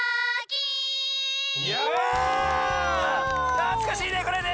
なつかしいねこれね！